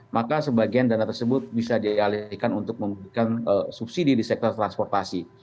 maka sebagian dana tersebut bisa dialihkan untuk memberikan subsidi di sektor transportasi